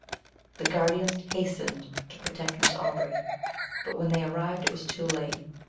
The guardians hastened to protect Miss Aubrey; but when they arrived, it was too late.